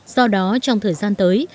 do đó trong thời gian tới